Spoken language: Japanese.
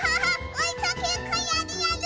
おいかけっこやるやる！